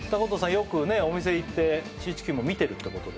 よくねお店行ってシーチキンも見てるってことであ